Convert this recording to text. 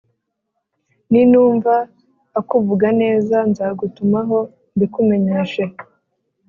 ninumva akuvuga neza nzagutumaho mbikumenyeshe.